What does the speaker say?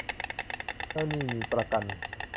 เจ้าหนี้มีประกัน